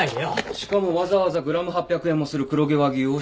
しかもわざわざグラム８００円もする黒毛和牛を使用。